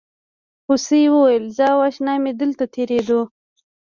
هوسۍ وویل زه او اشنا مې دلته څریدو.